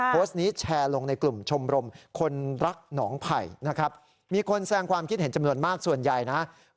โพสต์นี้แชร์ลงในกลุ่มชมรมคนรักหนองไผ่นะครับมีคนแสงความคิดเห็นจำนวนมากส่วนใหญ่นะครับ